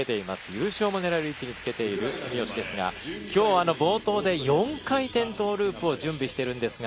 優勝も狙える位置につけている住吉ですが、今日は冒頭で４回転トーループを準備しているんですが。